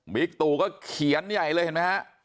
ตู่ก็เขียนใหญ่เลยเห็นไหมฮะ